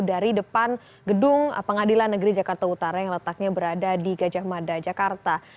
dari depan gedung pengadilan negeri jakarta utara yang letaknya berada di gajah mada jakarta